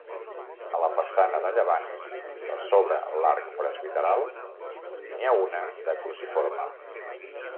A la façana de llevant, per sobre l'arc presbiteral, n'hi ha una de cruciforme.